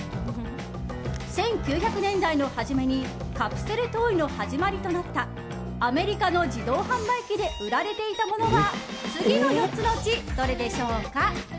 １９００年代の初めにアメリカの自動販売機で売られていたカプセルトイの始まりとなったアメリカの自動販売機で売られていた次の４つのうち、どれでしょうか。